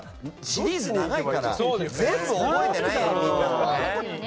シリーズ長いから全部覚えてない。